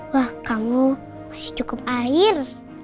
wah kamu masih cukup air